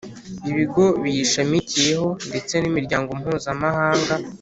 Ibigo biyishamikiyeho ndetse n’Imiryango Mpuzamahanga